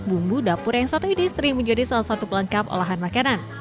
bumbu dapur yang satu ini sering menjadi salah satu pelengkap olahan makanan